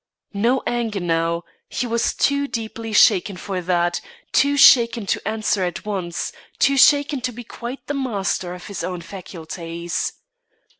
No anger now; he was too deeply shaken for that, too shaken to answer at once too shaken to be quite the master of his own faculties.